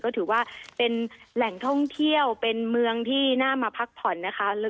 ก็ถือว่าเป็นแหล่งท่องเที่ยวเป็นเมืองที่น่ามาพักผ่อนนะคะ